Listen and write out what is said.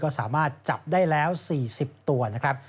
ก็สามารถจับได้แล้ว๔๐ตัวนะครับ